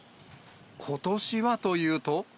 ことしはというと。